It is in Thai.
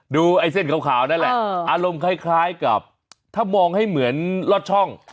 ไอ้เส้นขาวนั่นแหละอารมณ์คล้ายกับถ้ามองให้เหมือนลอดช่อง